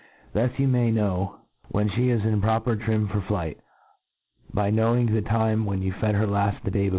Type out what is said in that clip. Thus you may knpw when (he is in proper trim for flight, by , knowing the time when you fed her lafl: the day